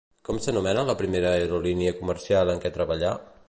Com s'anomena la primera aerolínia comercial en què treballà?